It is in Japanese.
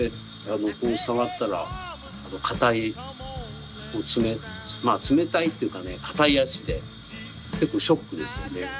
こう触ったら硬い冷たいまあ冷たいっていうかね硬い足で結構ショックでしたよね。